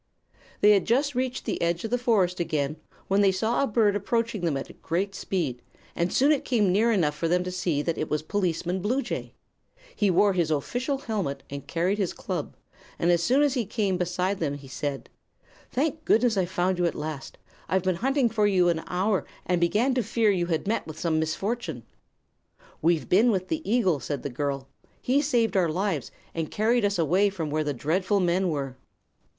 They had just reached the edge of the forest again when they saw a bird approaching them at a great speed, and soon it came near enough for them to see that it was Policeman Bluejay. He wore his official helmet and carried his club, and as soon as he came beside them he said: "Thank goodness I've found you at last. I've been hunting for you an hour, and began to fear you had met with some misfortune." "We've been with the eagle," said the girl. "He saved our lives and carried us away from where the dreadful men were."